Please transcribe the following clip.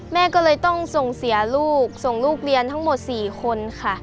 แม่ก็เลยต้องส่งเสียลูกส่งลูกเรียนทั้งหมด๔คนค่ะ